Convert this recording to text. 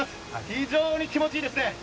非常に気持ちいいですね。